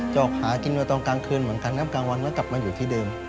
ออกหากินมาตอนกลางคืนเหมือนกันครับกลางวันก็กลับมาอยู่ที่เดิม